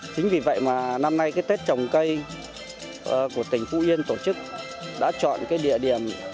chính vì vậy mà năm nay tết trồng cây của tỉnh phú yên tổ chức đã chọn địa điểm